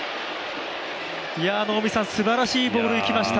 すばらしいボール、いきました。